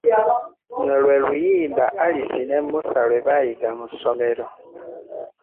Luno lwe luyimba Alisi ne Musa lwe bayiga mu ssomero.